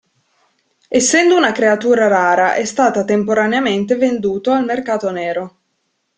Essendo una creatura rara è stata temporaneamente venduto al mercato nero.